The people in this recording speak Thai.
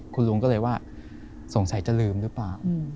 คุณลุงก็เลยว่าสงสัยจะลืมหรือเปล่า